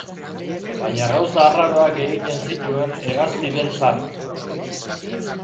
Baina gauza arraroak egiten zituen hegazti beltz hark.